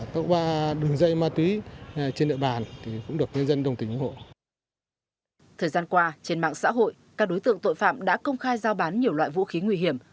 thời gian qua trên mạng xã hội các đối tượng tội phạm đã công khai giao bán nhiều loại vũ khí nguy hiểm